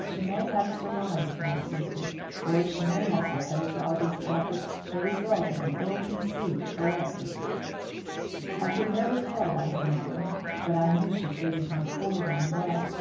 She may have surmised my secret, or she may have supposed all these efforts the result of an ill conceived philanthropy. "I could never tell by her manner. But I knew she treated my poor one well.